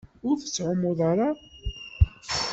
Ur tettɛummuḍ ara?